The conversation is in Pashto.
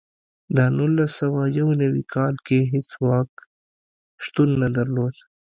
د نولس سوه یو نوي کال کې هېڅ ځواک شتون نه درلود.